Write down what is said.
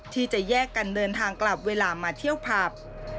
ที่จะแยกกันเดินทางกลับเวลามาเที่ยวผับ